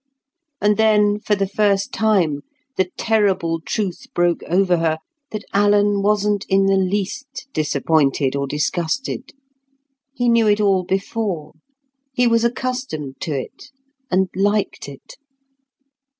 And then for the first time the terrible truth broke over her that Alan wasn't in the least disappointed or disgusted; he knew it all before; he was accustomed to it and liked it!